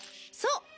そう。